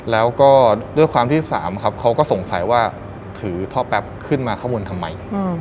แล้วก็ด้วยความที่๓ครับเขาก็สงสัยว่าถือท่อแป๊บขึ้นมาข้างบนทำไม